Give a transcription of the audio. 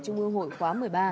trung ương hội khóa một mươi ba